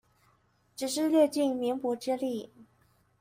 只是略盡棉薄之力